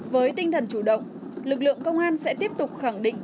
với tinh thần chủ động lực lượng công an sẽ tiếp tục khẳng định